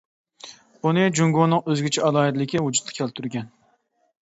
بۇنى جۇڭگونىڭ ئۆزگىچە ئالاھىدىلىكى ۋۇجۇدقا كەلتۈرگەن.